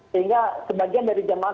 sehingga sebagian dari jemaah